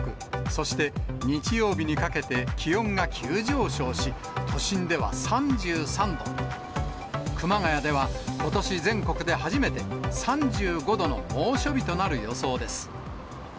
そして日曜日にかけて、気温が急上昇し、都心では３３度、熊谷ではことし全国で初めて３５度の猛暑日となる予想です。